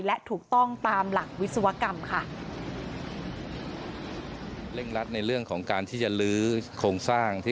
และถูกต้องตามหลักวิศวกรรมค่ะ